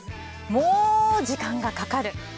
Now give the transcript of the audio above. もう時間がかかる！